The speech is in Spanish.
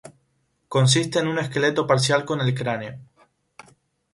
Consiste en un esqueleto parcial con el cráneo.